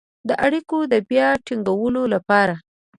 د اړیکو د بيا ټينګولو لپاره